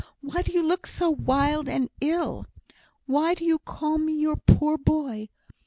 Why do you look so wild and ill? Why do you call me your 'poor boy'?